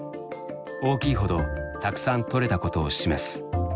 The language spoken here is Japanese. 大きいほどたくさん取れたことを示す。